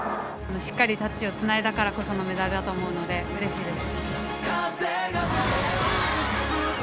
しっかりタッチをつないだからこそのメダルだと思うのでうれしいです。